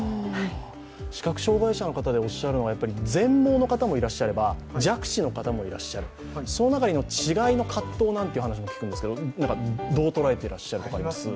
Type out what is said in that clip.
視覚障害者の方でおっしゃるのは全盲の方もいらっしゃれば弱視の方もいらっしゃってその違い、葛藤なんかもあると聞きますがどうとらえていらっしゃいますか？